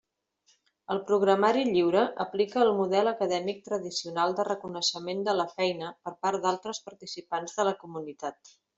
El programari lliure aplica el model acadèmic tradicional de reconeixement de la feina per part d'altres participants de la comunitat.